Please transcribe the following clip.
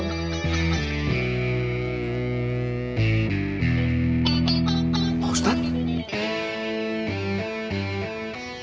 pengajian pakai seragam